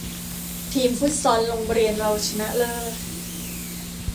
ทีมฟุตซอลโรงเรียนเราชนะเลิศ